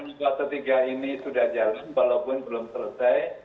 nah kemudian waktu tiga ini sudah jalan walaupun belum selesai